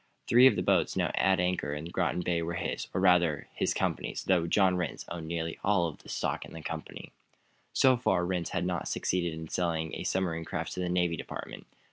Three of the boats now at anchor in Groton Bay were his or, rather, his company's, though John Rhinds owned nearly all of the stock in the company. So far, Rhinds had not succeeded in selling a submarine craft to the Navy Department.